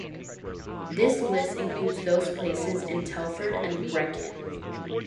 This list includes those places in Telford and Wrekin.